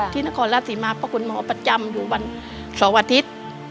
ที่นครราชสีมาเพราะคุณหมอประจำอยู่บนสวทิศ